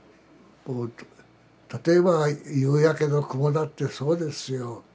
例えば夕焼けの雲だってそうですよ。